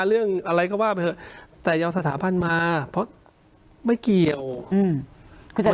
เรื่องอะไรก็ว่าไปเถอะแต่อย่าเอาสถาบันมาเพราะไม่เกี่ยวอืม